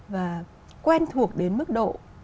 và quen thuộc đến mức độ